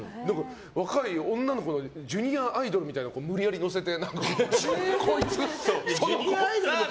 若い女の子のジュニアアイドルみたいな子を無理やり乗せて。